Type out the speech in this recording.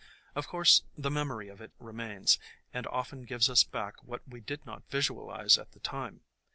Of course the memory of it remains, and often gives us back what we did not visualize at the time.